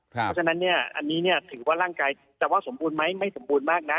เพราะฉะนั้นเนี่ยอันนี้ถือว่าร่างกายจะว่าสมบูรณ์ไหมไม่สมบูรณ์มากนะ